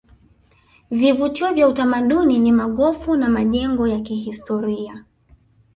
vivutio vya utamaduni ni magofu na majengo ya kihistoria